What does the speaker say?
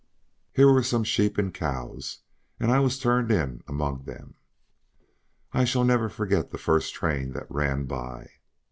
Here were some sheep and cows, and I was turned in among them. I shall never forget the first train that ran by.